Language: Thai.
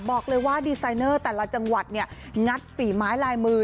บอกเลยว่าดีไซเนอร์แต่ละจังหวัดเนี่ยงัดฝีไม้ลายมือ